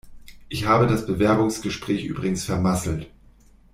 Ich habe das Bewerbungsgespräch übrigens vermasselt.